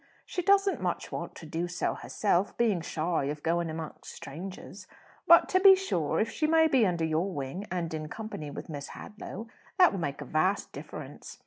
She doesn't much want to do so herself, being shy of going amongst strangers. But, to be sure, if she may be under your wing, and in company with Miss Hadlow, that would make a vast difference."